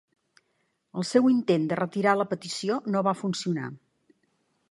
El seu intent de retira la petició no va funcionar.